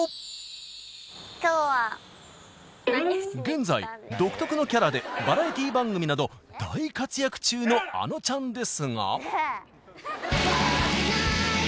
現在独特のキャラでバラエティー番組など大活躍中のあのちゃんですが。